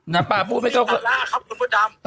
นะป่าพูดไม่เข้าหูพูดสาระครับคุณพ่อดำ